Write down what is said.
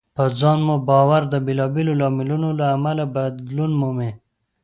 په ځان مو باور د بېلابېلو لاملونو له امله بدلون مومي.